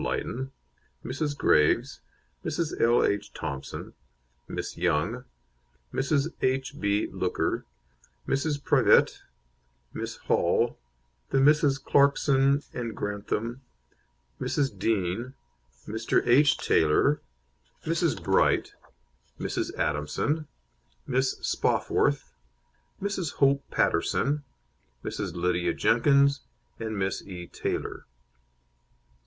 Lytton, Mrs. Graves, Mrs. L. H. Thompson, Miss Young, Mrs. H. B. Looker, Mrs. Privette, Miss Hall, the Misses Clarkson and Grantham, Mrs. Dean, Mr. H. Taylor, Mrs. Bright, Mrs. Adamson, Miss Spofforth, Mrs. Hope Paterson, Mrs. Lydia Jenkins, and Miss E. Taylor.